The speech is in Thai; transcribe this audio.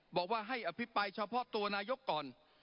บอกว่าให้อภิปรายเฉพาะตัวนายกก่อน